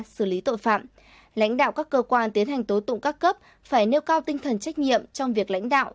xử lý tội phạm lãnh đạo các cơ quan tiến hành tố tụng các cấp phải nêu cao tinh thần trách nhiệm trong việc lãnh đạo